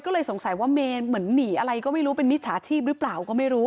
ก็เลยสงสัยว่าเมนเหมือนหนีอะไรก็ไม่รู้เป็นมิจฉาชีพหรือเปล่าก็ไม่รู้